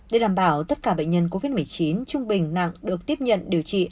để đảm bảo tất cả bệnh nhân covid một mươi chín trung bình nặng được tiếp nhận điều trị